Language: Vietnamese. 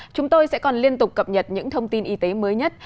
chúng tôi sẽ còn liên tục cập nhật những thông tin y tế mới nhất